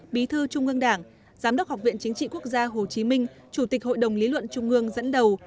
bí thư trung ương đảng giám đốc học viện chính trị quốc gia hồ chí minh chủ tịch hội đồng lý luận trung ương dẫn đầu